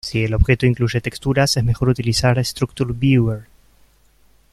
Si el objeto incluye texturas, es mejor utilizar "Structure Viewer".